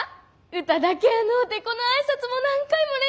歌だけやのうてこの挨拶も何回も練習したんです！